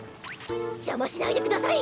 じゃましないでください。